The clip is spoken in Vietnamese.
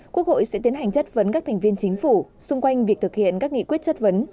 quốc hội sẽ tiến hành chất vấn các thành viên chính phủ xung quanh việc thực hiện các nghị quyết chất vấn